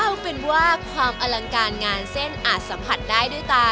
เอาเป็นว่าความอลังการงานเส้นอาจสัมผัสได้ด้วยตา